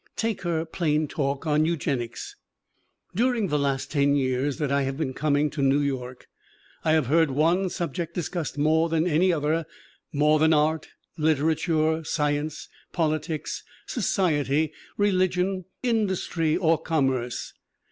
Take her plain talk on eugenics. "During the last ten years that I have been coming to New York I have heard one subject discussed more than any other, more than art, literature, science, politics, society, religion, industry or commerce.